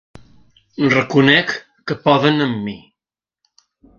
Reconec que poden amb mi.